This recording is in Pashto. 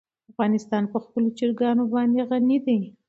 افغانستان په خپلو چرګانو باندې غني دی.